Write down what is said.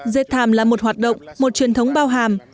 dệt thàm là một hoạt động một truyền thống bao hàm